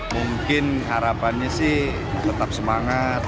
mungkin harapannya sih tetap semangat